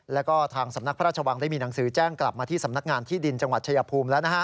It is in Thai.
แล้วก็ทางสำนักพระราชวังได้มีหนังสือแจ้งกลับมาที่สำนักงานที่ดินจังหวัดชายภูมิแล้ว